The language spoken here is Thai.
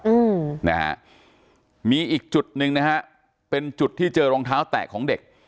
อืมนะฮะมีอีกจุดหนึ่งนะฮะเป็นจุดที่เจอรองเท้าแตะของเด็ก